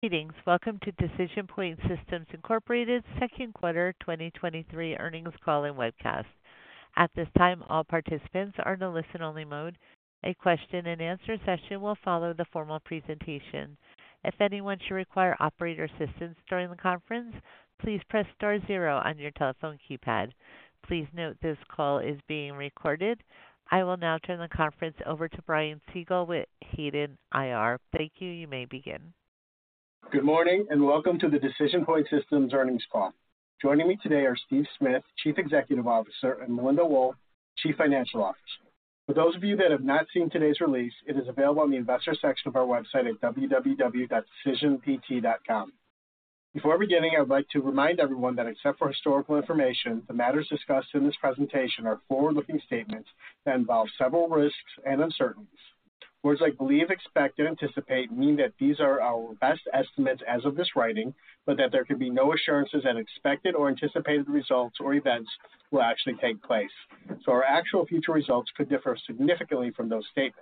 Greetings. Welcome to DecisionPoint Systems Incorporated's second quarter 2023 earnings call and webcast. At this time, all participants are in a listen-only mode. A question-and-answer session will follow the formal presentation. If anyone should require operator assistance during the conference, please press star 0 on your telephone keypad. Please note, this call is being recorded. I will now turn the conference over to Brian Siegel with Hayden IR. Thank you. You may begin. Good morning, welcome to the DecisionPoint Systems earnings call. Joining me today are Steve Smith, Chief Executive Officer, and Melinda Wohl, Chief Financial Officer. For those of you that have not seen today's release, it is available on the investor section of our website at www.decisionpt.com. Before beginning, I would like to remind everyone that except for historical information, the matters discussed in this presentation are forward-looking statements that involve several risks and uncertainties. Words like believe, expect, and anticipate mean that these are our best estimates as of this writing, but that there can be no assurances that expected or anticipated results or events will actually take place. Our actual future results could differ significantly from those statements.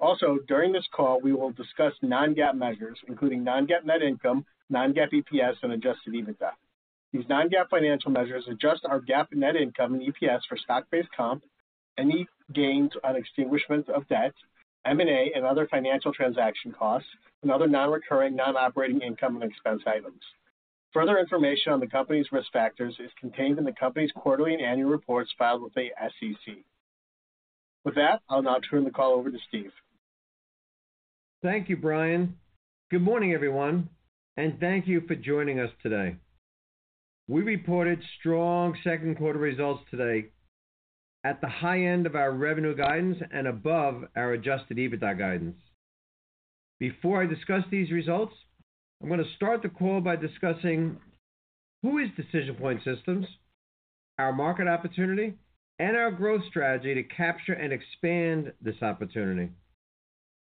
Also, during this call, we will discuss non-GAAP measures, including non-GAAP net income, non-GAAP EPS, and adjusted EBITDA. These non-GAAP financial measures adjust our GAAP net income and EPS for stock-based comp, any gains on extinguishment of debt, M&A, and other financial transaction costs, and other non-recurring non-operating income and expense items. Further information on the company's risk factors is contained in the company's quarterly and annual reports filed with the SEC. With that, I'll now turn the call over to Steve. Thank you, Brian. Good morning, everyone, and thank you for joining us today. We reported strong second quarter results today at the high end of our revenue guidance and above our adjusted EBITDA guidance. Before I discuss these results, I'm going to start the call by discussing who is DecisionPoint Systems, our market opportunity, and our growth strategy to capture and expand this opportunity.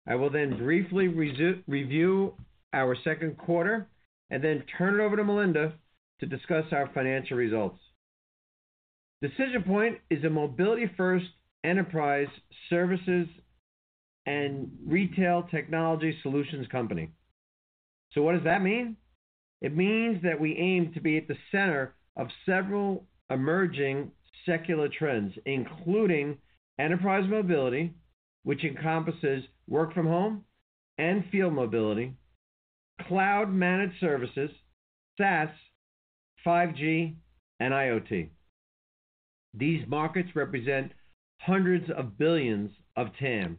I will then briefly Review our second quarter, and then turn it over to Melinda to discuss our financial results. DecisionPoint is a mobility-first enterprise services and retail technology solutions company. What does that mean? It means that we aim to be at the center of several emerging secular trends, including enterprise mobility, which encompasses work from home and field mobility, cloud-managed services, SaaS, 5G, and IoT. These markets represent hundreds of billions of TAM.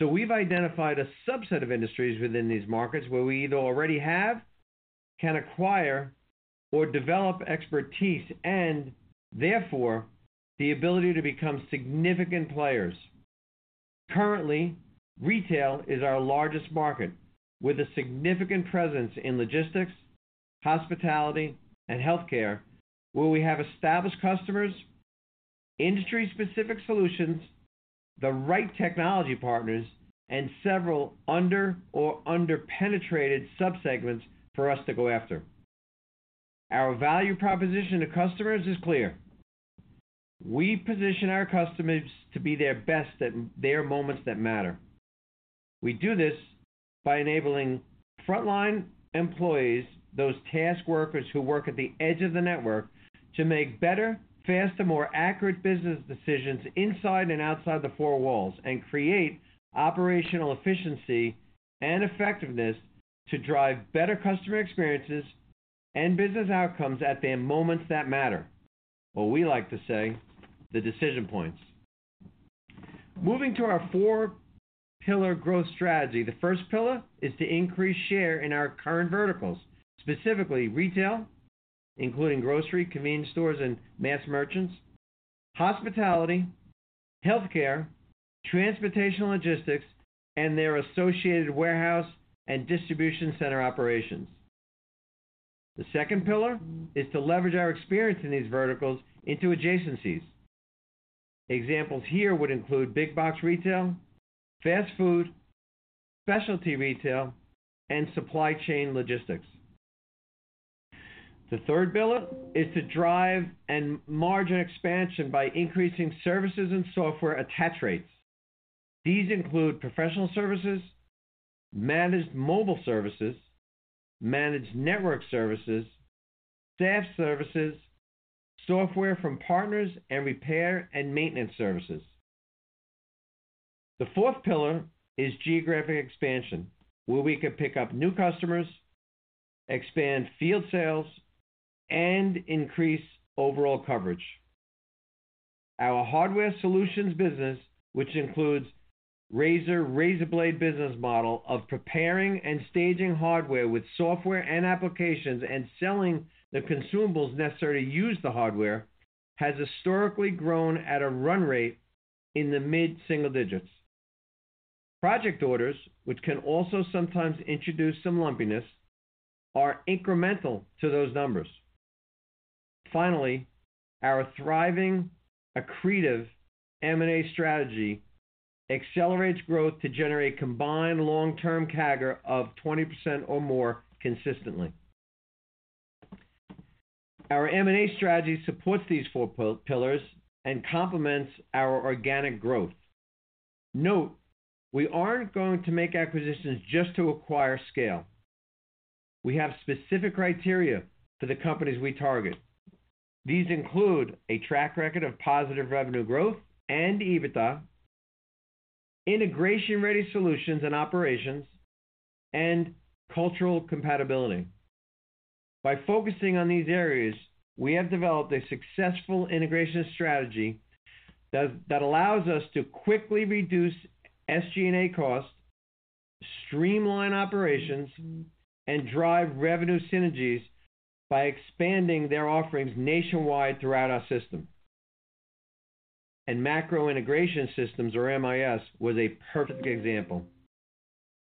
We've identified a subset of industries within these markets where we either already have, can acquire, or develop expertise, and therefore, the ability to become significant players. Currently, retail is our largest market, with a significant presence in logistics, hospitality, and healthcare, where we have established customers, industry-specific solutions, the right technology partners, and several under-penetrated subsegments for us to go after. Our value proposition to customers is clear. We position our customers to be their best at their moments that matter. We do this by enabling frontline employees, those task workers who work at the edge of the network, to make better, faster, more accurate business decisions inside and outside the four walls, and create operational efficiency and effectiveness to drive better customer experiences and business outcomes at their moments that matter, or we like to say, the decision points. Moving to our four-pillar growth strategy, the first pillar is to increase share in our current verticals, specifically retail, including grocery, convenience stores, and mass merchants, hospitality, healthcare, transportation, logistics, and their associated warehouse and distribution center operations. The second pillar is to leverage our experience in these verticals into adjacencies. Examples here would include big box retail, fast food, specialty retail, and supply chain logistics. The third pillar is to drive and margin expansion by increasing services and software attach rates. These include professional services, managed mobile services, managed network services, SaaS services, software from partners, and repair and maintenance services. The fourth pillar is geographic expansion, where we can pick up new customers, expand field sales, and increase overall coverage. Our hardware solutions business, which includes razor, razor blade business model of preparing and staging hardware with software and applications, and selling the consumables necessary to use the hardware, has historically grown at a run rate in the mid-single digits. Project orders, which can also sometimes introduce some lumpiness, are incremental to those numbers. Our thriving accretive M&A strategy accelerates growth to generate combined long-term CAGR of 20% or more consistently. Our M&A strategy supports these four pillars and complements our organic growth. Note, we aren't going to make acquisitions just to acquire scale. We have specific criteria for the companies we target. These include a track record of positive revenue growth and EBITDA, integration-ready solutions and operations, and cultural compatibility. By focusing on these areas, we have developed a successful integration strategy that allows us to quickly reduce SG&A costs, streamline operations, and drive revenue synergies by expanding their offerings nationwide throughout our system. Macro Integration Services, or MIS, was a perfect example.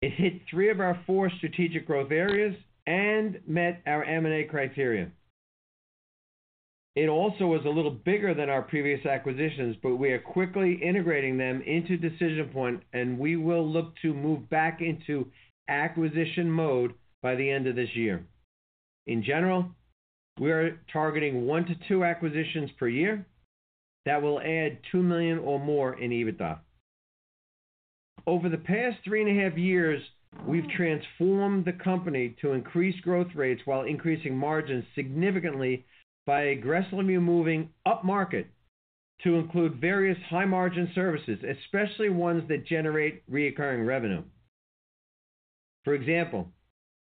It hit 3 of our 4 strategic growth areas and met our M&A criteria. It also was a little bigger than our previous acquisitions, but we are quickly integrating them into DecisionPoint, and we will look to move back into acquisition mode by the end of this year. In general, we are targeting 1-2 acquisitions per year that will add $2 million or more in EBITDA. Over the past 3.5 years, we've transformed the company to increase growth rates while increasing margins significantly by aggressively moving upmarket to include various high-margin services, especially ones that generate reoccurring revenue. For example,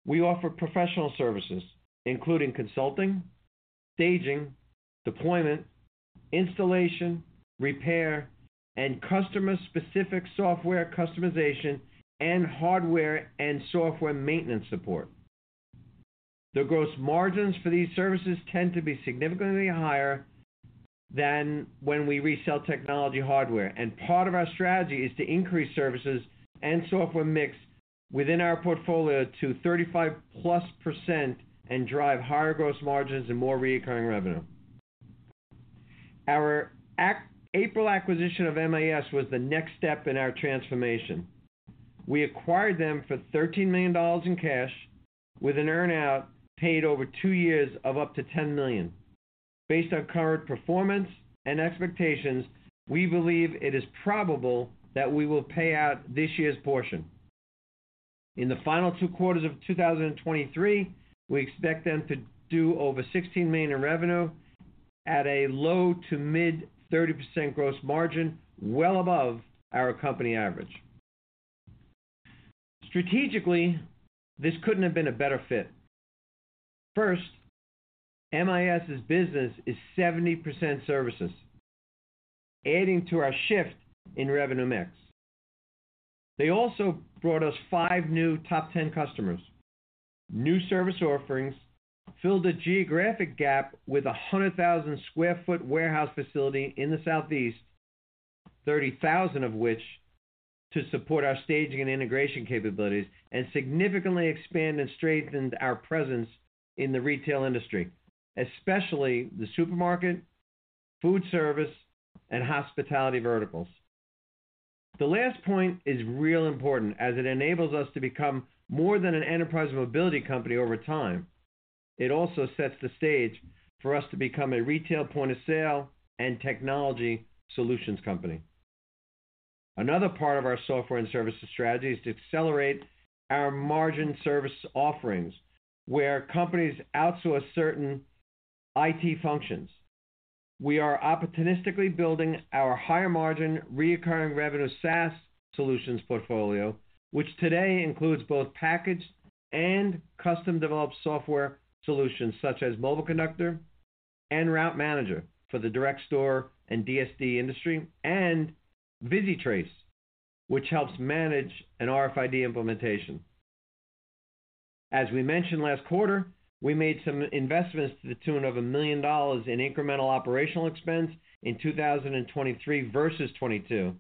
we offer professional services, including consulting, staging, deployment, installation, repair, and customer-specific software customization, and hardware and software maintenance support. The gross margins for these services tend to be significantly higher than when we resell technology hardware, and part of our strategy is to increase services and software mix within our portfolio to 35+% and drive higher gross margins and more recurring revenue. Our April acquisition of MIS was the next step in our transformation. We acquired them for $13 million in cash, with an earn-out paid over 2 years of up to $10 million. Based on current performance and expectations, we believe it is probable that we will pay out this year's portion. In the final two quarters of 2023, we expect them to do over $16 million in revenue at a low to mid 30% gross margin, well above our company average. Strategically, this couldn't have been a better fit. First, MIS's business is 70% services, adding to our shift in revenue mix. They also brought us 5 new top 10 customers, new service offerings, filled a geographic gap with a 100,000 sq ft warehouse facility in the Southeast, 30,000 of which to support our staging and integration capabilities, and significantly expanded and strengthened our presence in the retail industry, especially the supermarket, food service, and hospitality verticals. The last point is real important, as it enables us to become more than an enterprise mobility company over time. It also sets the stage for us to become a retail point-of-sale and technology solutions company. Another part of our software and services strategy is to accelerate our margin service offerings, where companies outsource certain IT functions. We are opportunistically building our higher-margin, reoccurring revenue SaaS solutions portfolio, which today includes both packaged and custom-developed software solutions, such as MobileConductor and Route Manager for the direct store and DSD industry, and ViziTrace, which helps manage an RFID implementation. As we mentioned last quarter, we made some investments to the tune of $1 million in incremental operational expense in 2023 versus 2022,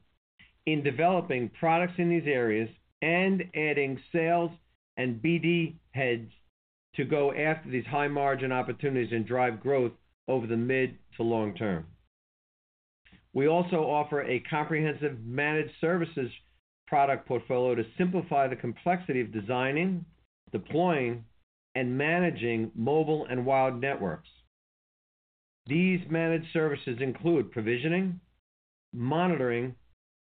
in developing products in these areas and adding sales and BD heads to go after these high-margin opportunities and drive growth over the mid to long term. We also offer a comprehensive managed services product portfolio to simplify the complexity of designing, deploying, and managing mobile and wired networks. These managed services include provisioning, monitoring,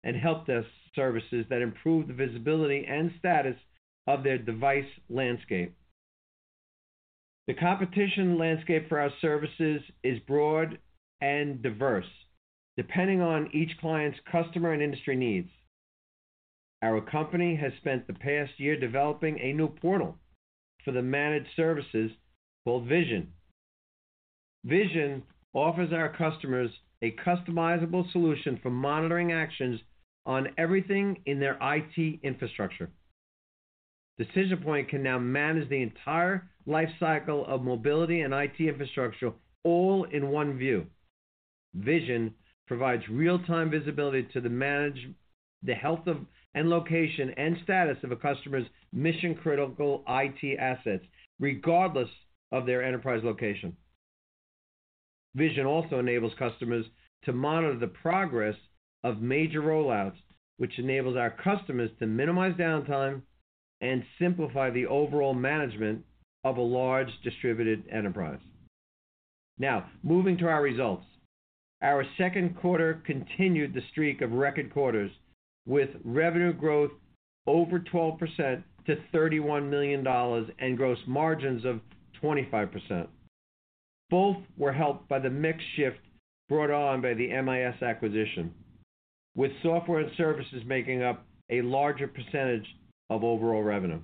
and help desk services that improve the visibility and status of their device landscape. The competition landscape for our services is broad and diverse, depending on each client's customer and industry needs. Our company has spent the past year developing a new portal for the managed services called VISION. VISION offers our customers a customizable solution for monitoring actions on everything in their IT infrastructure. DecisionPoint can now manage the entire life cycle of mobility and IT infrastructure, all in one view. VISION provides real-time visibility to the health of, and location and status of a customer's mission-critical IT assets, regardless of their enterprise location. VISION also enables customers to monitor the progress of major rollouts, which enables our customers to minimize downtime and simplify the overall management of a large distributed enterprise. Moving to our results. Our second quarter continued the streak of record quarters, with revenue growth over 12% to $31 million and gross margins of 25%. Both were helped by the mix shift brought on by the MIS acquisition, with software and services making up a larger percentage of overall revenue.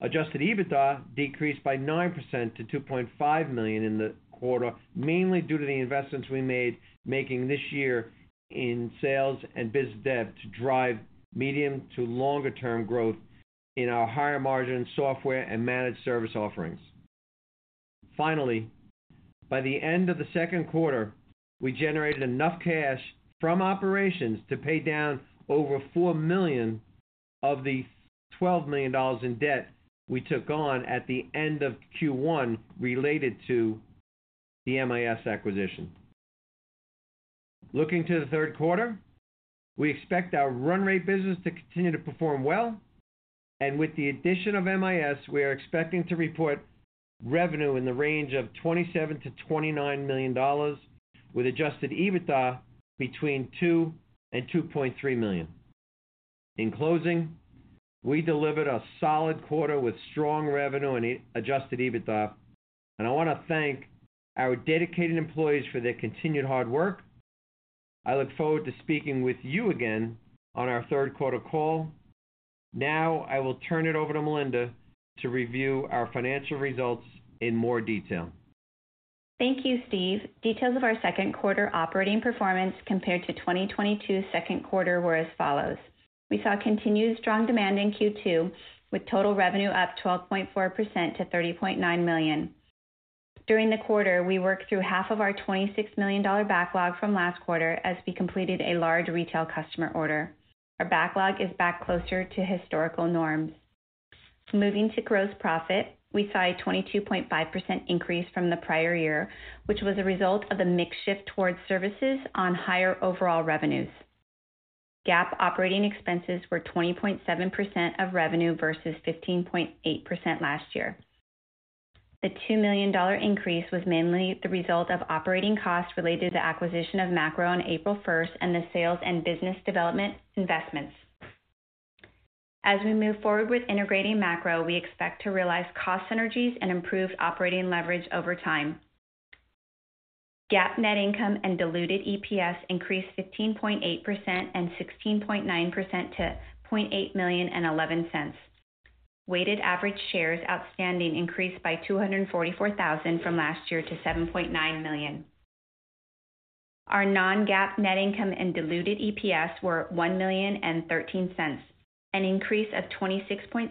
adjusted EBITDA decreased by 9% to $2.5 million in the quarter, mainly due to the investments we made making this year in sales and business dev to drive medium to longer term growth in our higher margin software and managed service offerings. Finally, by the end of the second quarter, we generated enough cash from operations to pay down over $4 million of the $12 million in debt we took on at the end of Q1 related to the MIS acquisition. Looking to the third quarter, we expect our run rate business to continue to perform well, and with the addition of MIS, we are expecting to report revenue in the range of $27 million-$29 million, with adjusted EBITDA between $2 million and $2.3 million. In closing, we delivered a solid quarter with strong revenue and adjusted EBITDA, and I want to thank our dedicated employees for their continued hard work. I look forward to speaking with you again on our third quarter call. Now I will turn it over to Melinda to review our financial results in more detail. Thank you, Steve. Details of our second quarter operating performance compared to 2022 second quarter were as follows: We saw continued strong demand in Q2, with total revenue up 12.4% to $30.9 million. During the quarter, we worked through half of our $26 million backlog from last quarter as we completed a large retail customer order. Our backlog is back closer to historical norms. Moving to gross profit, we saw a 22.5% increase from the prior year, which was a result of the mix shift towards services on higher overall revenues. GAAP operating expenses were 20.7% of revenue versus 15.8% last year. The $2 million increase was mainly the result of operating costs related to the acquisition of Macro on April 1st and the sales and business development investments. As we move forward with integrating Macro, we expect to realize cost synergies and improved operating leverage over time. GAAP net income and diluted EPS increased 15.8% and 16.9% to $0.8 million and $0.11. Weighted average shares outstanding increased by 244,000 from last year to 7.9 million. Our non-GAAP net income and diluted EPS were $1 million and $0.13, an increase of 26.6%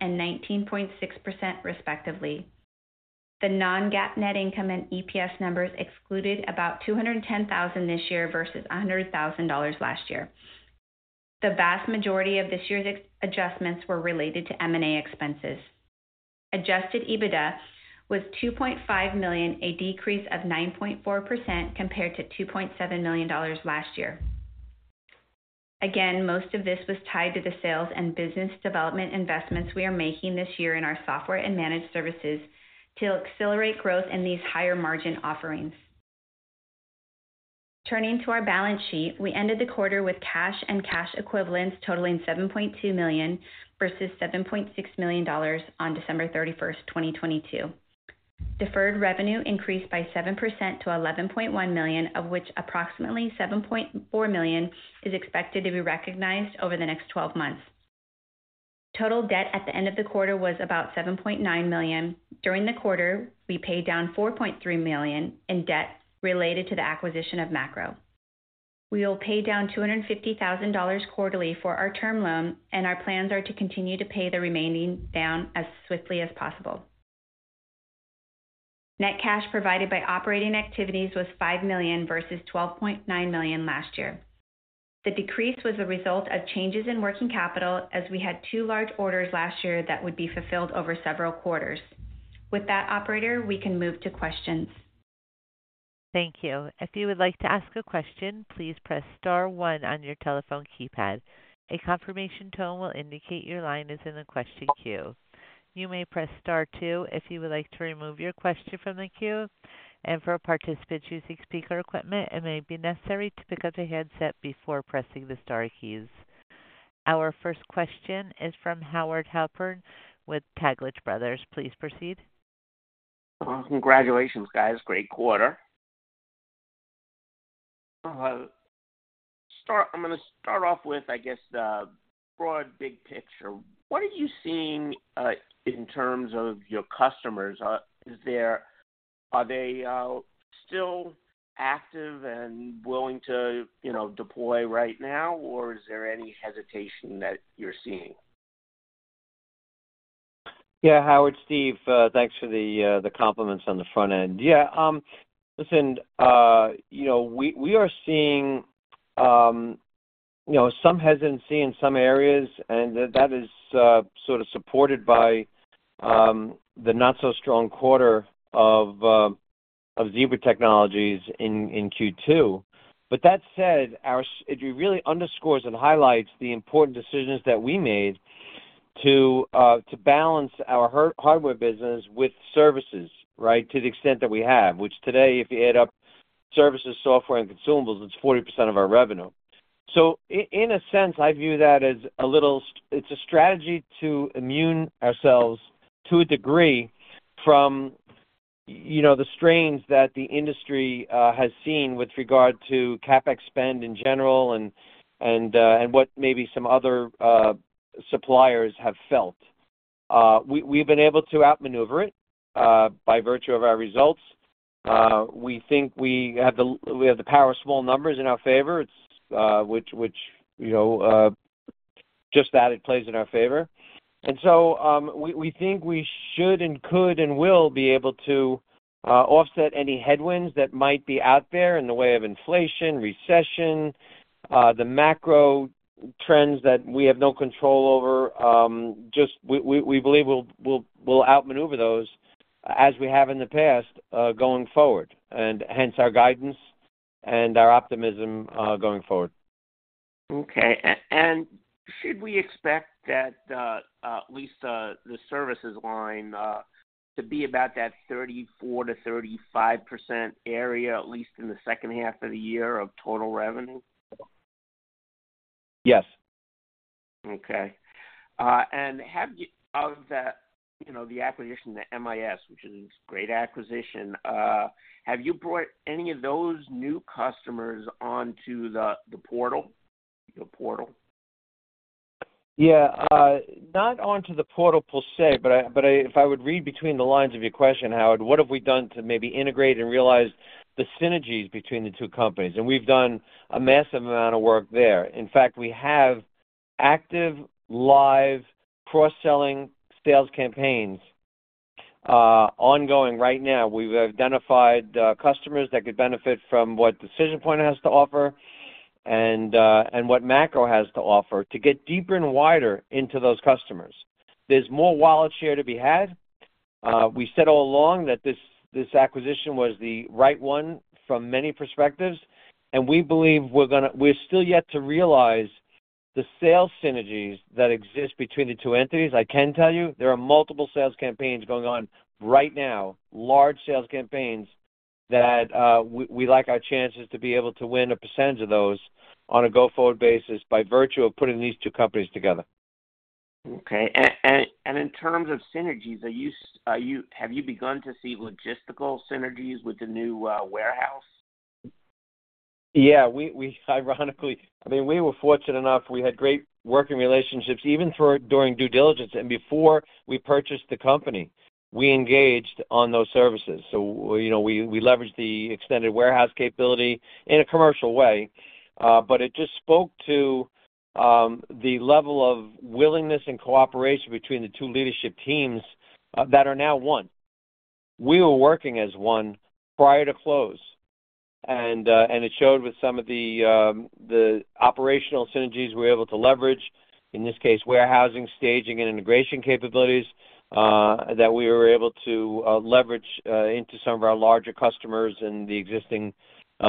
and 19.6% respectively. The non-GAAP net income and EPS numbers excluded about $210,000 this year versus $100,000 last year. The vast majority of this year's adjustments were related to M&A expenses. Adjusted EBITDA was $2.5 million, a decrease of 9.4% compared to $2.7 million last year. Again, most of this was tied to the sales and business development investments we are making this year in our software and managed services to accelerate growth in these higher margin offerings. Turning to our balance sheet, we ended the quarter with cash and cash equivalents totaling $7.2 million versus $7.6 million on December 31, 2022. Deferred revenue increased by 7% to $11.1 million, of which approximately $7.4 million is expected to be recognized over the next 12 months. Total debt at the end of the quarter was about $7.9 million. During the quarter, we paid down $4.3 million in debt related to the acquisition of Macro. We will pay down $250,000 quarterly for our term loan. Our plans are to continue to pay the remaining down as swiftly as possible. Net cash provided by operating activities was $5 million versus $12.9 million last year. The decrease was a result of changes in working capital, as we had two large orders last year that would be fulfilled over several quarters. With that operator, we can move to questions. Thank you. If you would like to ask a question, please press star one on your telephone keypad. A confirmation tone will indicate your line is in the question queue. You may press star two if you would like to remove your question from the queue. For participants using speaker equipment, it may be necessary to pick up the headset before pressing the star keys. Our first question is from Howard Halpern with Taglich Brothers. Please proceed. Well, congratulations, guys. Great quarter. I'm gonna start off with, I guess, the broad big picture. What are you seeing in terms of your customers? Are they still active and willing to, you know, deploy right now, or is there any hesitation that you're seeing? Yeah, Howard, Steve, thanks for the compliments on the front end. Yeah, listen, you know, we, we are seeing, You know, some hesitancy in some areas, and that is sort of supported by the not-so-strong quarter of Zebra Technologies in Q2. That said, it really underscores and highlights the important decisions that we made to balance our hardware business with services, right? To the extent that we have, which today, if you add up services, software, and consumables, it's 40% of our revenue. In a sense, I view that as it's a strategy to immune ourselves, to a degree, from, you know, the strains that the industry has seen with regard to CapEx spend in general and, and what maybe some other suppliers have felt. We, we've been able to outmaneuver it by virtue of our results. We think we have the, we have the power of small numbers in our favor, it's which, which, you know, just that it plays in our favor. We, we think we should and could and will be able to offset any headwinds that might be out there in the way of inflation, recession, the macro trends that we have no control over. Just we, we, we believe we'll, we'll, we'll outmaneuver those as we have in the past going forward, and hence our guidance and our optimism going forward. Okay. Should we expect that, at least, the services line, to be about that 34%-35% area, at least in the second half of the year of total revenue? Yes. Okay. Have you of that, you know, the acquisition, the MIS, which is great acquisition, have you brought any of those new customers onto the, the portal? The portal. Yeah. Not onto the portal per se, but if I would read between the lines of your question, Howard, what have we done to maybe integrate and realize the synergies between the two companies? We've done a massive amount of work there. In fact, we have active, live, cross-selling sales campaigns ongoing right now. We've identified customers that could benefit from what DecisionPoint has to offer and what Macro has to offer to get deeper and wider into those customers. There's more wallet share to be had. We said all along that this, this acquisition was the right one from many perspectives, and we believe we're still yet to realize the sales synergies that exist between the two entities. I can tell you there are multiple sales campaigns going on right now, large sales campaigns, that, we, we like our chances to be able to win a percentage of those on a go-forward basis by virtue of putting these two companies together. Okay. In terms of synergies, have you begun to see logistical synergies with the new warehouse? Yeah, we, we ironically, I mean, we were fortunate enough. We had great working relationships, even for during due diligence and before we purchased the company. We engaged on those services. You know, we, we leveraged the extended warehouse capability in a commercial way, but it just spoke to the level of willingness and cooperation between the two leadership teams that are now one. We were working as one prior to close, and it showed with some of the operational synergies we were able to leverage, in this case, warehousing, staging, and integration capabilities, that we were able to leverage into some of our larger customers and the existing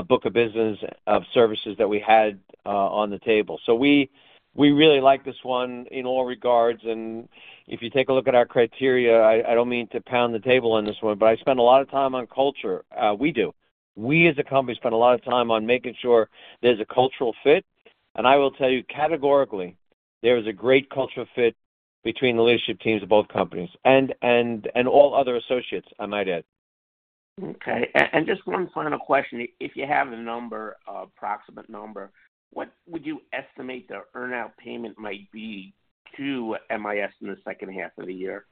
book of business of services that we had on the table. We, we really like this one in all regards, and if you take a look at our criteria, I, I don't mean to pound the table on this one, but I spend a lot of time on culture. We do. We as a company spend a lot of time on making sure there's a cultural fit, and I will tell you categorically, there is a great cultural fit between the leadership teams of both companies and, and, and all other associates, I might add. Okay. Just one final question. If you have a number, approximate number, what would you estimate the earnout payment might be to MIS in the second half of the year?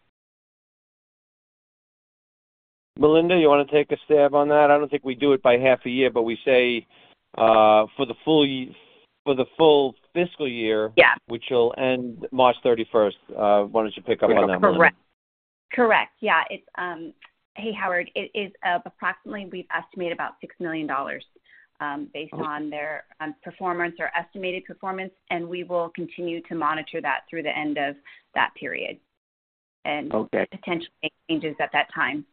Melinda, you want to take a stab on that? I don't think we do it by half a year, but we say, for the full fiscal year- Yeah. which will end March 31st. why don't you pick up on that, Melinda? Correct. Correct. Yeah, it's, Hey, Howard, it is approximately we've estimated about $6 million. Okay. based on their performance or estimated performance, and we will continue to monitor that through the end of that period. Okay. Potentially make changes at that time.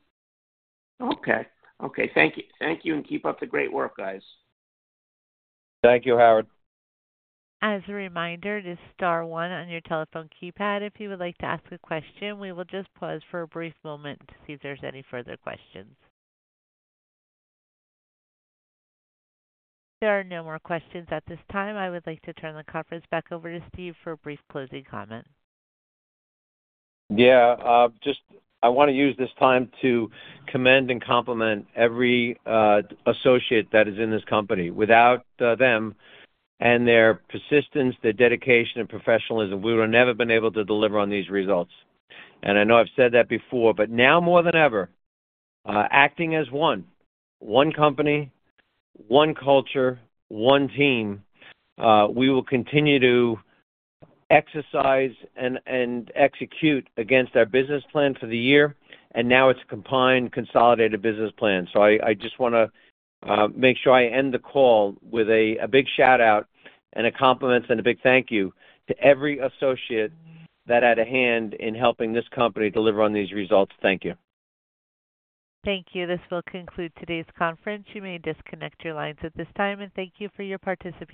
Okay. Okay, thank you. Thank you. Keep up the great work, guys. Thank you, Howard. As a reminder, just star one on your telephone keypad if you would like to ask a question. We will just pause for a brief moment to see if there's any further questions. There are no more questions at this time. I would like to turn the conference back over to Steve for a brief closing comment. Yeah, just I want to use this time to commend and compliment every associate that is in this company. Without them and their persistence, their dedication, and professionalism, we would have never been able to deliver on these results. I know I've said that before, but now more than ever, acting as one, one company, one culture, one team, we will continue to exercise and execute against our business plan for the year, and now it's a combined, consolidated business plan. I, I just want to make sure I end the call with a big shout-out and a compliments and a big thank you to every associate that had a hand in helping this company deliver on these results. Thank you. Thank you. This will conclude today's conference. You may disconnect your lines at this time, and thank you for your participation.